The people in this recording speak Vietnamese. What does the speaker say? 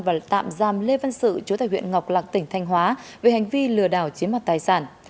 và tạm giam lê văn sự chủ tại huyện ngọc lạc tỉnh thanh hóa về hành vi lừa đảo chiếm mặt tài sản